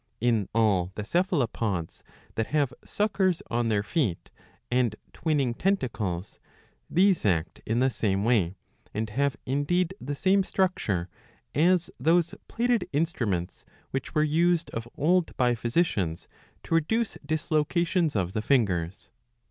In all the Cephalopods that have suckers on their feet and ^^ twining tentacles, these act in the same way, and have indeed the same structure, as those plaited instruments which were used of old by physicians to reduce dislocations of the fingers.